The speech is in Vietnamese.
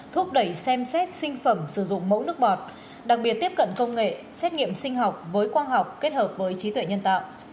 thúc đẩy xem xét sinh phẩm sử dụng mẫu nước bọt đặc biệt tiếp cận công nghệ xét nghiệm sinh học với quang học kết hợp với trí tuệ nhân tạo